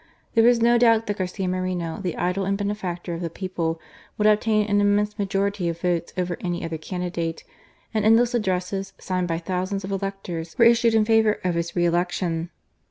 There was no doubt that Garcia Moreno, the idol and benefactor of the people, would obtain an immense majority of votes over any other candidate, and endless addresses, signed by thousands of electors, were issued in favour of his re electioo.